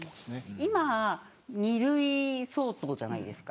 今、２類相当じゃないですか。